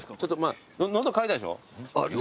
喉渇いたでしょ？